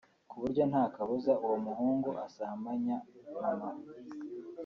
ku buryo nta kabuza uwo muhungu asambanya mama